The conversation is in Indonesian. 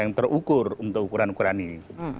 yang terukur untuk ukuran ukuran ini